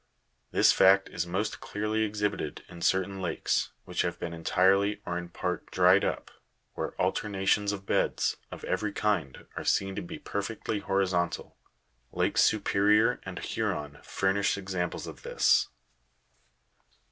This fact is most clearly exhibited in certain lakes, which have been entirely or in part dried up, where alternations of beds, of every kind, are seen to be perfectly horizontal ; lakes Superior and Huron furnish examples of this kind.